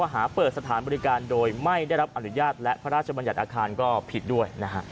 หาเปิดสถานบริการโดยไม่ได้รับอนุญาตและพระราชบัญญัติอาคารก็ผิดด้วยนะฮะ